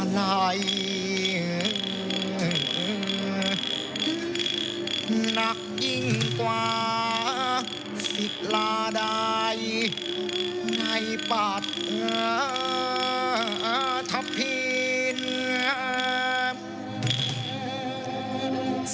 นักยิ่งกว่าสิทธิ์ลาดายในปัตต์ธพีช